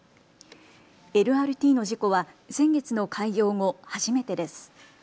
ＬＲＴの事故は先月の開業後、初めてです。